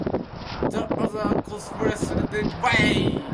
The other co-heiresses did likewise.